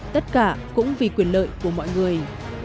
tất cả cũng vì quyền lợi của mọi người